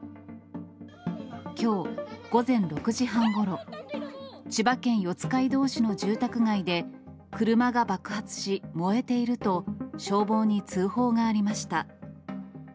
きょう午前６時半ごろ、千葉県四街道市の住宅街で、車が爆発し燃えていると、消防に通報がありました。